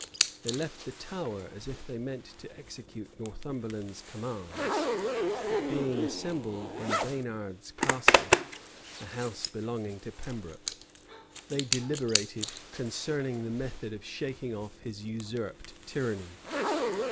They left the Tower, as if they meant to execute Northumberland's commands; but being assembled in Baynard's castle, a house belonging to Pembroke, they deliberated concerning the method of shaking off his usurped tyranny.